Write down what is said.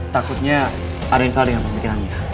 takutnya ada yang salah dengan pemikirannya